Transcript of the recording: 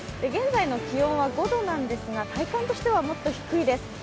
現在の気温は５度なんですが、体感としてはもっと低いです。